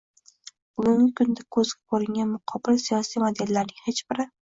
Bugungi kunda ko‘zga ko‘ringan muqobil siyosiy modellarning hech biri